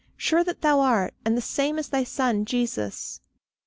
Sure that thou art, and the same as thy son, Jesus!